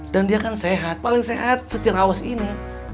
dan dia kan sehat paling sehat secerahus ini